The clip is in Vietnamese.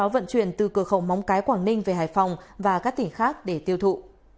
vận chuyển từ cửa khẩu móng cái quảng ninh về hải phòng và các tỉnh khác để tiêu thụ